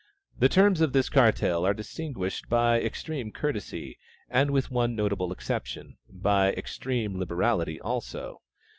The terms of this cartel are distinguished by extreme courtesy, and with one notable exception, by extreme liberality also.